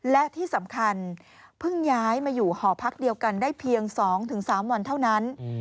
และที่สำคัญเพิ่งย้ายมาอยู่หอพักเดียวกันได้เพียง๒๓วันเท่านั้น